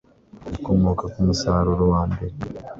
bikomoka ku musaruro wa mbere